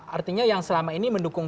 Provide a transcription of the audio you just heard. artinya yang selama ini mendukung